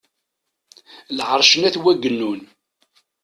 Lɛerc n At wagennun.